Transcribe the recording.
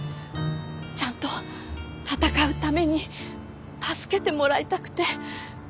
ちゃんと闘うために助けてもらいたくて。